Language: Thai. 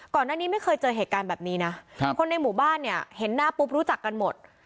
ก่อนหน้านี้ไม่เคยเจอเหตุการณ์แบบนี้นะคนในหมู่บ้านเนี่ยเห็นหน้าปุ๊บรู้จักกันหมด